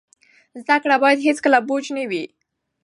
زده کړه باید هیڅکله بوج نه وي.